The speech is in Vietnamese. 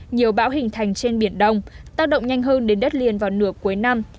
nhiều bão hình thành trên biển đông tác động nhanh hơn đến đất liền vào nửa cuối năm